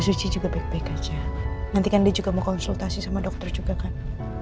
suci juga baik baik aja nanti kan dia juga mau konsultasi sama dokter juga kan